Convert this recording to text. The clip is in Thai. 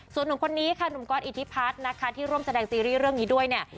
ส่วนหนุ่มคนนี้ค่ะหนุ่มก๊อตอิทธิพัฒน์นะคะที่ร่วมแสดงซีรีส์เรื่องนี้ด้วยเนี่ย